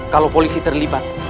kalau polisi terlibat